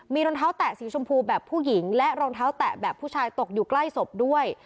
มีรองเท้าแตะสีชมพูแบบผู้หญิงและรองเท้าแตะแบบผู้ชายตกอยู่ใกล้ศพด้วย